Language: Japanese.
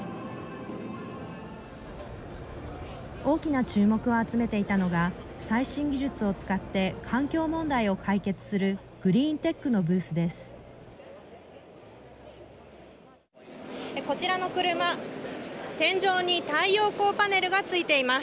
大きな注目を集めていたのが最新技術を使って環境問題を解決するグリーンテックのブースです。